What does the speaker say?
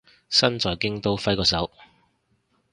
身在京都揮個手